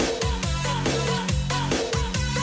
เราจะมาร่วมกันคิด